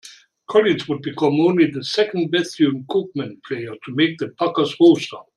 Collins would become only the second Bethune-Cookman player to make the Packers roster.